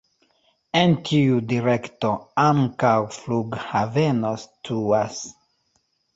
En tiu direkto ankaŭ flughaveno situas.